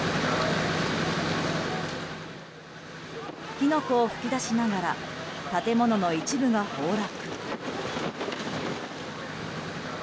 火の粉を噴き出しながら建物の一部が崩落。